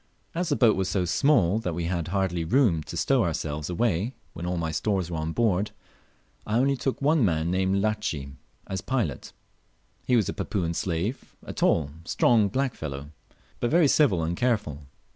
As the boat was so small that we had hardly room to stow ourselves away when all my stores were on board, I only took one other man named Latchi, as pilot. He was a Papuan slave, a tall, strong black fellow, but very civil and careful.